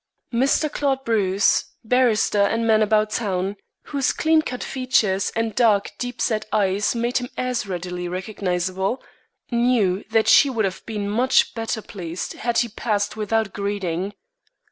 Mr. Claude Bruce, barrister and man about town, whose clean cut features and dark, deep set eyes made him as readily recognizable, knew that she would have been much better pleased had he passed without greeting.